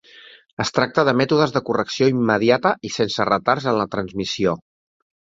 Es tracta de mètodes de correcció immediata i sense retards en la transmissió.